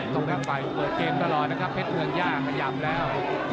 ตรงข้างไปเปิดเกมตลอดนะครับเพชรเผือกยากขยับแล้ว